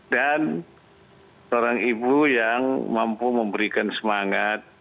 dan seorang ibu yang mampu memberikan semangat